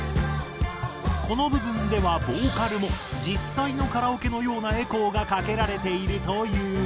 この部分ではボーカルも実際のカラオケのようなエコーがかけられているという。